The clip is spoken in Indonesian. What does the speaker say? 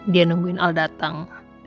dia nungguin al datang